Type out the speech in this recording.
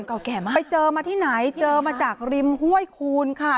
แก่มากไปเจอมาที่ไหนเจอมาจากริมห้วยคูณค่ะ